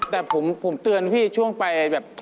แต่ผมเตือนพี่ช่วงไปแบบ